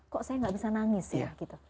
kok saya tidak bisa menangis ya